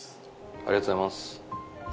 ありがとうございます。